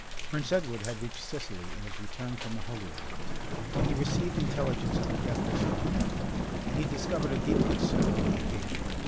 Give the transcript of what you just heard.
Prince Edward had reached Sicily in his return from the Holy Land, when he received intelligence of the death of his father; and he discovered a deep concern on the occasion.